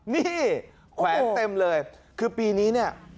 นี่แขวนเต็มเลยคือปีนี้เนี่ย